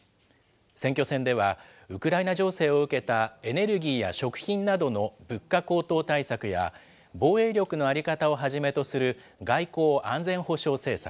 選挙戦では、ウクライナ情勢を受けたエネルギーや食品などの物価高騰対策や、防衛力の在り方をはじめとする外交・安全保障政策、